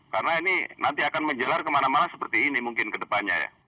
karena ini nanti akan menjelar kemana mana seperti ini mungkin ke depannya ya